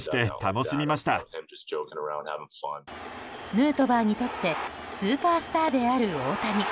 ヌートバーにとってスーパースターである大谷。